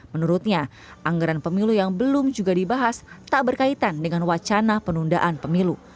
menurutnya anggaran pemilu yang belum juga dibahas tak berkaitan dengan wacana penundaan pemilu